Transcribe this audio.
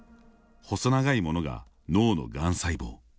細長いものが、脳のがん細胞。